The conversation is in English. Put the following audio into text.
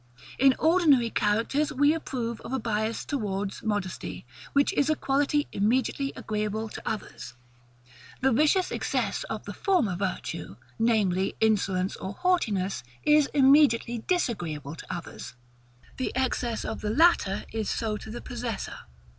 In ordinary characters, we approve of a bias towards modesty, which is a quality immediately agreeable to others: the vicious excess of the former virtue, namely, insolence or haughtiness, is immediately disagreeable to others; the excess of the latter is so to the possessor.